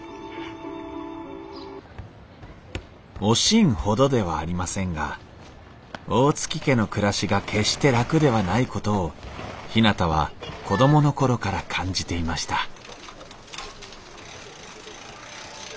「おしん」ほどではありませんが大月家の暮らしが決して楽ではないことをひなたは子供の頃から感じていました